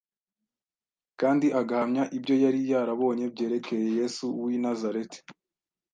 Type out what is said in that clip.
kandi agahamya ibyo yari yarabonye byerekeye Yesu w’i Nazareti